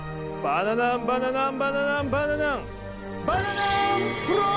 バナナンバナナンバナナンバナナン。